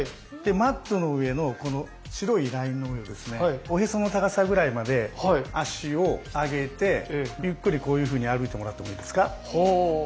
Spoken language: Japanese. マットの上のこの白いラインの上をおへその高さぐらいまで脚を上げてゆっくりこういうふうに歩いてもらってもいいですか？